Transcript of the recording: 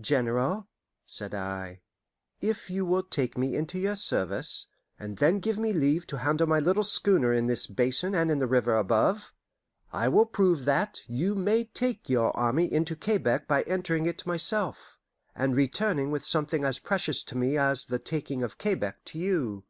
"General," said I, "if you will take me into your service, and then give me leave to handle my little schooner in this basin and in the river above, I will prove that you may take your army into Quebec by entering it myself, and returning with something as precious to me as the taking of Quebec to you."